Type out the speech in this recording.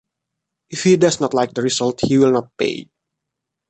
If he does not like the result, he will not pay.